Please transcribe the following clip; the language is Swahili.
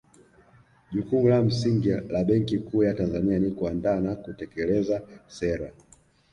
Jukumu la msingi la Benki Kuu ya Tanzania ni kuandaa na kutekeleza sera